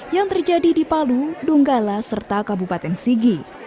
yang terjadi di palu donggala serta kabupaten sigi